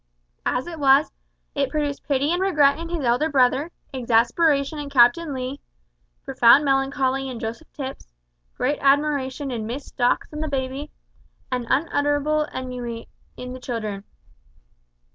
As it was, it produced pity and regret in his elder brother, exasperation in Captain Lee, profound melancholy in Joseph Tipps, great admiration in Miss Stocks and the baby, and unutterable ennui in the children.